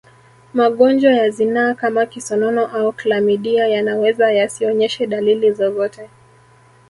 Magonjwa ya zinaa kama kisonono au klamidia yanaweza yasionyeshe dalili zozote